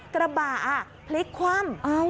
กระบะพลิกคว่ำ